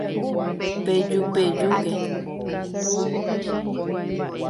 Pejupejúke